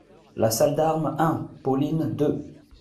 =La Salle d'armes.= un.= Pauline= deux.